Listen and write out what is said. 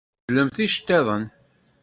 Beddlemt iceṭṭiḍen!